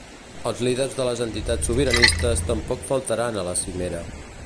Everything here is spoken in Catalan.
Els líders de les entitats sobiranistes tampoc faltaran a la cimera.